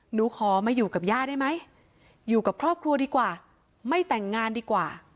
หนูขอมาอยู่กับย่าได้ไหมอยู่กับครอบครัวดีกว่าไม่แต่งงานดีกว่า